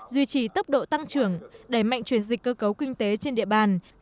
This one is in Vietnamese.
duy trì tốc độ tăng trưởng đẩy mạnh chuyển dịch cơ cấu kinh tế trên địa bàn